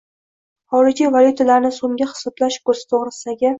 xorijiy valyutalarni so‘mga nisbatan kursi to‘g‘risidagi